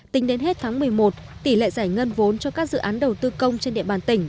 tính đến hết tháng một mươi một tỷ lệ giải ngân vốn cho các dự án đầu tư công trên địa bàn tỉnh